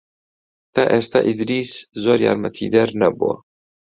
تا ئێستا ئیدریس زۆر یارمەتیدەر نەبووە.